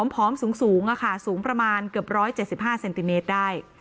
ผอมสูงสูงประมาณเกือบ๑๗๕เซนติเมตรได้